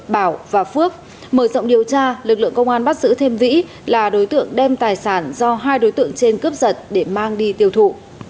bảo và phước mở rộng điều tra lực lượng công an bắt giữ thêm vĩ là đối tượng đem tài sản do hai đối tượng trên cướp giật để mang đi tiêu thụ